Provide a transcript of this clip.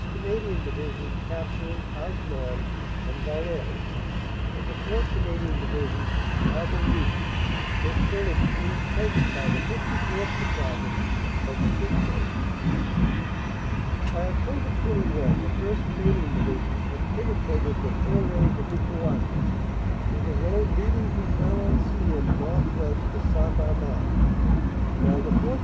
Canadian Division capturing Hasnon and Wallers and the 4th. Canadian Division Haveluy, this village being taken by the 54th. Battalion, of the Kootenay. By Oct. 21 the 1st. Canadian Division had penetrated the Foret de Vicoigne to the road leading from Valenciennes northwest to St. Amand, while the 4th.